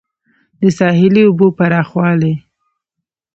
د ساحلي اوبو پراخوالی